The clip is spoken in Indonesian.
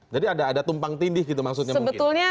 jadi ada tumpang tindih gitu maksudnya mungkin